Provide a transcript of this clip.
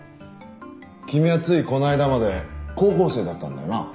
君はついこの間まで高校生だったんだよな？